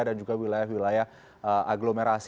dan juga wilayah wilayah agglomerasi